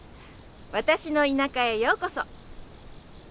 私の田舎へようこそ！